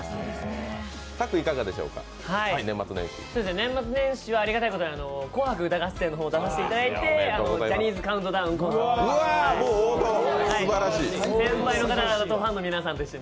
年末年始はありがたいことに「紅白歌合戦」に出させていただいて、ジャニーズカウントダウンコンサートに。